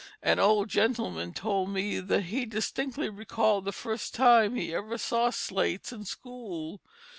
An old gentleman told me that he distinctly recalled the first time he ever saw slates in school.